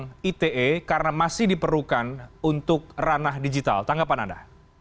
untuk undang undang ite karena masih diperlukan untuk ranah digital tanggapan anda